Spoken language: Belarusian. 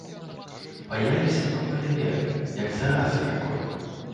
Баяліся новае веры, як заразы якой.